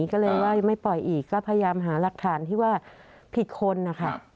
ก็เลยว่ายังไม่ปล่อยอีกก็พยายามหาหลักฐานที่ว่าผิดคนนะคะ